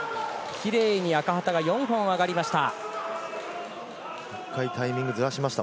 キレイに赤旗が４本あがりました。